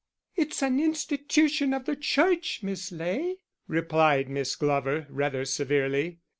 "It's an institution of the Church, Miss Ley," replied Miss Glover, rather severely.